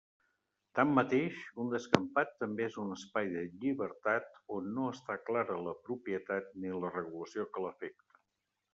Tanmateix, un descampat també és un espai de llibertat on no està clara la propietat ni la regulació que l'afecta.